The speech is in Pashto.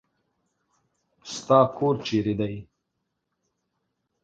ستا کور چېري دی ؟